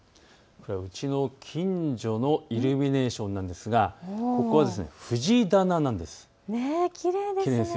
うちの近所のイルミネーションなんですが藤棚なんです。